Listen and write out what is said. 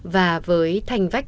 và với thành vách